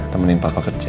temenin papa kerja